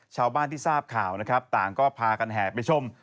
ชาวบ้านที่ทราบข่าวนะครับต่างก็พากันแห่ไปชม